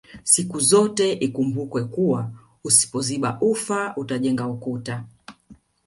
Sikuzote ikumbukwe kuwa usipoziba ufa utajenga ukuta